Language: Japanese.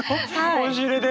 押し入れで？